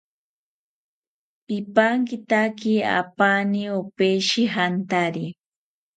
Pipankitaki apaani opeshi jantari